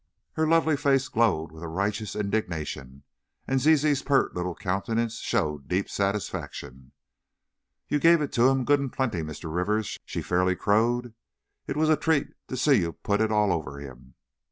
Her lovely face glowed with righteous indignation, and Zizi's pert little countenance showed deep satisfaction. "You gave it to him, good and plenty, Mr. Rivers," she fairly crowed; "it was a treat to see you put it all over him!